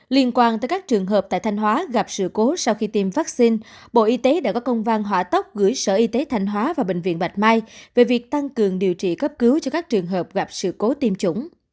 liên quan tới các trường hợp tại thanh hóa gặp sự cố sau khi tiêm vaccine bộ y tế đã có công văn hỏa tốc gửi sở y tế thanh hóa và bệnh viện bạch mai về việc tăng cường điều trị cấp cứu cho các trường hợp gặp sự cố tiêm chủng